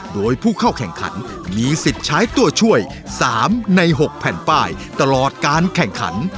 โดยผู้เข้าแข่งขันมีสิทธิ์ใช้ตัวช่วย๓ใน๖แผ่นป้ายตลอดการแข่งขัน